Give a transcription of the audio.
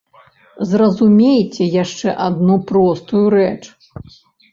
Зразумейце яшчэ адну простую рэч.